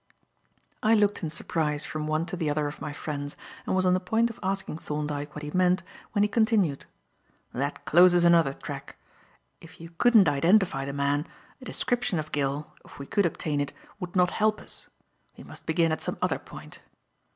I looked in surprise from one to the other of my friends, and was on the point of asking Thorndyke what he meant, when he continued. "That closes another track. If you couldn't identify the man, a description of Gill, if we could obtain it, would not help us. We must begin at some other point."